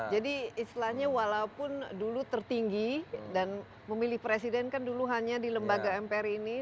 jadi istilahnya walaupun dulu tertinggi dan memilih presiden kan dulu hanya di lembaga mpr ini